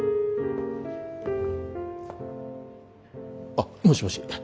あっもしもし